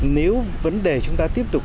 nếu vấn đề chúng ta tiếp tục